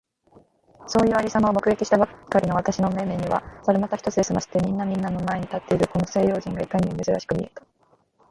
そういう有様を目撃したばかりの私の眼めには、猿股一つで済まして皆みんなの前に立っているこの西洋人がいかにも珍しく見えた。